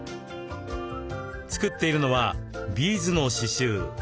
作っているのはビーズの刺繍。